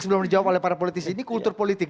sebelum dijawab oleh para politisi ini kultur politik